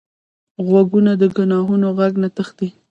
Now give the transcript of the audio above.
غوږونه د ګناهونو غږ نه تښتي